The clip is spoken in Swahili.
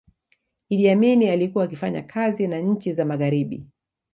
iddi amini alikuwa akifanya kazi na nchi za magharibi